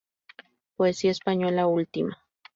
Poesía española última.